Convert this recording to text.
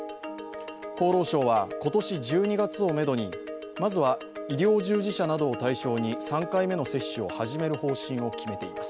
厚労省は、今年１２月をめどに、まずは医療従事者などを対象に３回目の接種を始める方針を決めています。